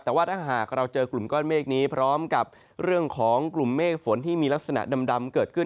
แต่ว่าถ้าหากเราเจอกลุ่มก้อนเมฆนี้พร้อมกับเรื่องของกลุ่มเมฆฝนที่มีลักษณะดำเกิดขึ้น